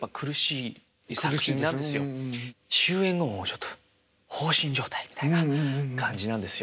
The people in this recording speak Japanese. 終演後ちょっと放心状態みたいな感じなんですよ。